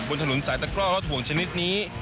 บนถนนสายตะกร่อรถห่วงชนิดนี้